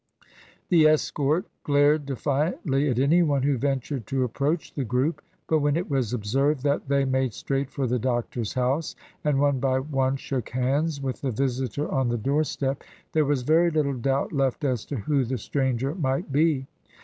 The escort glared defiantly at any one who ventured to approach the group; but when it was observed that they made straight for the doctor's house, and one by one shook hands with the visitor on the doorstep, there was very little doubt left as to who the stranger might be.